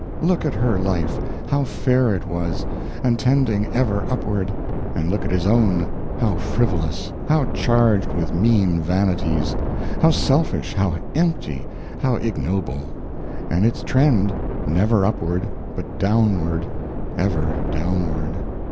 Look at her life how fair it was, and tending ever upward; and look at his own how frivolous, how charged with mean vanities, how selfish, how empty, how ignoble! And its trend never upward, but downward, ever downward!